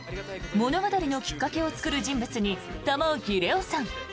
物語のきっかけを作る人物には玉置玲央さん。